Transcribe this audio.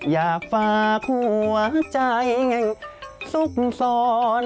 อยากฝากหัวใจซุกซ่อน